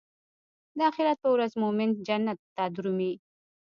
د اخرت پر ورځ مومن جنت ته درومي.